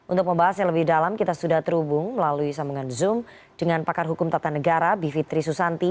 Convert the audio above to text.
untuk membahas yang lebih dalam kita sudah terhubung melalui sambungan zoom dengan pakar hukum tata negara bivitri susanti